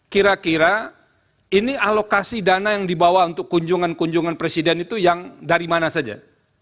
kira kira ini alokasi dana yang dibawa untuk kunjungan kunjungan presiden itu yang dari mana saja